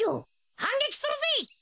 はんげきするぜ。